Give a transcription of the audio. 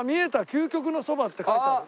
「究極のそば」って書いてある。